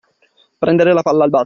Prendere la palla al balzo.